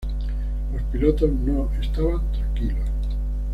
Los pilotos no estaban tranquilos.